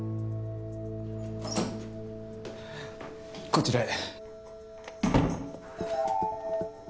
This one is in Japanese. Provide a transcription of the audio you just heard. こちらへ。